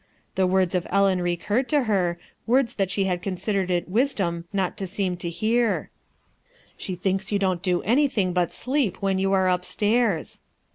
The words of Ellen recurred to her, words that she had considered it wisdom not to seem to hear: — "She thinks you don't do anything but sleep when you are upstairs."